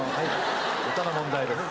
歌の問題です